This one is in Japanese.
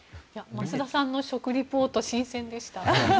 増田さんの食リポート新鮮でした。